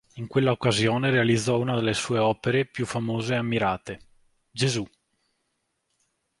In quella occasione realizzò una delle sue opere più famose e ammirate: "Gesù".